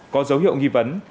có dấu hiệu nghi vấn